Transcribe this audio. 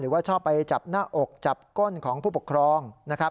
หรือว่าชอบไปจับหน้าอกจับก้นของผู้ปกครอง